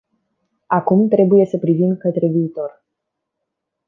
Acum trebuie să privim către viitor.